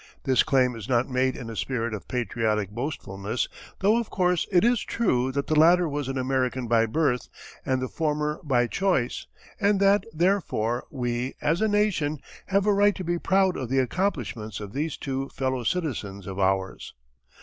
This claim is not made in a spirit of patriotic boastfulness, though, of course it is true that the latter was an American by birth, and the former by choice, and that, therefore, we, as a nation, have a right to be proud of the accomplishments of these two fellow citizens of ours.